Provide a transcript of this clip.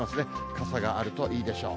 傘があるといいでしょう。